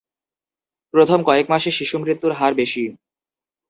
প্রথম কয়েক মাসে শিশুমৃত্যুর হার বেশি।